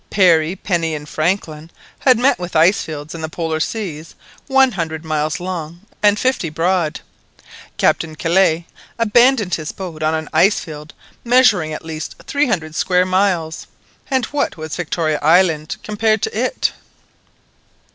Parry, Penny, and Franklin had met with ice fields in the Polar seas one hundred miles long and fifty broad. Captain Kellet abandoned his boat on an ice field measuring at least three hundred square miles, and what was Victoria Island compared to it?